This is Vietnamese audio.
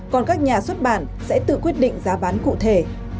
còn các nhà xuất bản sẽ tự quyết định giá bán cụ thể